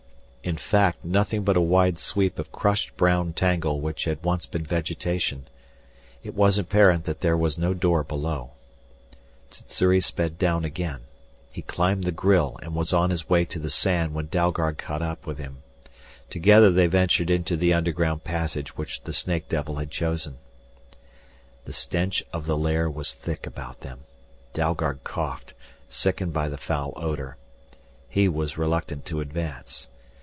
In fact nothing but a wide sweep of crushed brown tangle which had once been vegetation. It was apparent that there was no door below. Sssuri sped down again. He climbed the grille and was on his way to the sand when Dalgard caught up with him. Together they ventured into the underground passage which the snake devil had chosen. The stench of the lair was thick about them. Dalgard coughed, sickened by the foul odor. He was reluctant to advance.